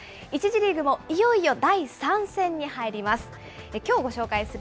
１次リーグもいよいよ第３戦に入ります。